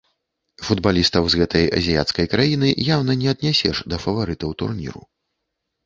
Футбалістаў з гэтай азіяцкай краіны яўна не аднясеш да фаварытаў турніру.